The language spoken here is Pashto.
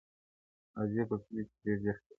اوازې په کلي کي ډېر ژر خپرېږي,